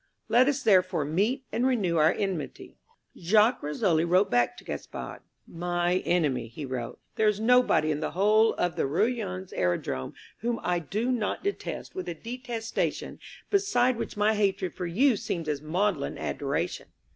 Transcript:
Let us therefore meet and renew our enmity." Jacques Rissole wrote back to Gaspard. "My enemy," he wrote, "there is nobody in the whole of the Roullens Aerodrome whom I do not detest with a detestation beside which my hatred for you seems as maudlin adoration.